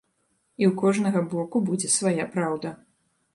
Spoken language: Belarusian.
І ў кожнага боку будзе свая праўда.